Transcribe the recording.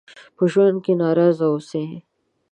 په ژوند کې ناراضه اوسئ.